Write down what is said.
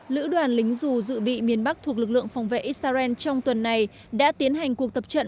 lữ đoàn lính dù dự bị miền bắc thuộc lực lượng phòng vệ israel trong tuần này đã tiến hành cuộc tập trận